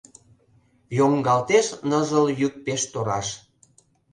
Йоҥгалтеш ныжыл йӱк пеш тораш.